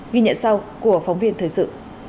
ghi nhận sau của phóng viên thời sự